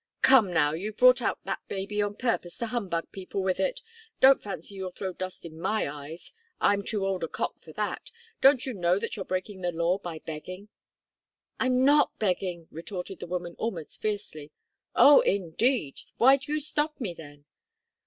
"Come now you've brought out that baby on purpose to humbug people with it. Don't fancy you'll throw dust in my eyes. I'm too old a cock for that. Don't you know that you're breaking the law by begging?" "I'm not begging," retorted the woman, almost fiercely. "Oh! indeed. Why do you stop me, then?"